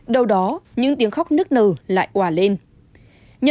đầu đó những tiếng khóc nức nờ lại quả lên